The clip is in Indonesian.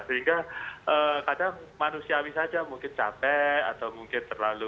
sehingga kadang manusiawi saja mungkin capek atau mungkin terlalu